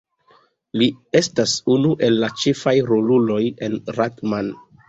Li estas unu el la ĉefaj roluloj en Rat-Man.